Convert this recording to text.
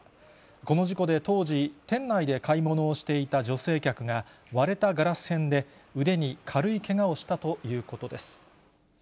この事故で当時、店内で買い物をしていた女性客が、割れたガラス片で腕に軽いけがをしたということです。